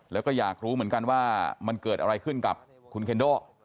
แล้วก็อยากรู้เหมือนกันว่ามันเกิดอะไรขึ้นกับคุณเคนโด